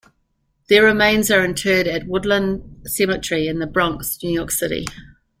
Their remains are interred at Woodlawn Cemetery in The Bronx, New York City.